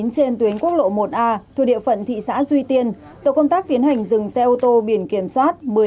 trên tuyến quốc lộ một a thuộc địa phận thị xã duy tiên tổ công tác tiến hành dừng xe ô tô biển kiểm soát